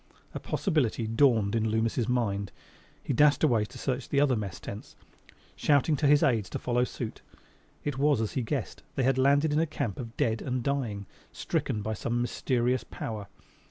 A possibility dawned in Loomis' mind. He dashed away to search the other mess tents, shouting to his aides to follow suit. It was as he guessed: they had landed in a camp of dead and dying; stricken by some mysterious power.